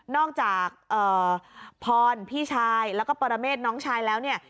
จากพรพี่ชายแล้วก็ปรเมษน้องชายแล้วเนี่ย